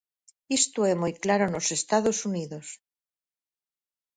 Isto é moi claro nos Estados Unidos.